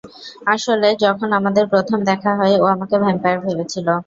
আসলে, যখন আমাদের প্রথম দেখা হয়, ও আমাকে ভ্যাম্পায়ার ভেবেছিল।